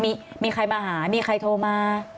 มีใครมาหามีใครโทรมา